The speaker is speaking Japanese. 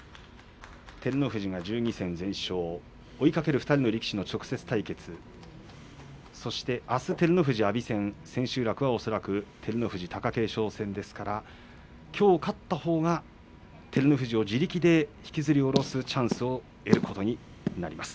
照ノ富士が１２戦全勝追いかける２人の力士の直接対決そしてあす照ノ富士、阿炎戦千秋楽は恐らく照ノ富士、貴景勝戦ですからきょう勝ったほうが照ノ富士を自力で引きずり降ろすチャンスを得ることになります。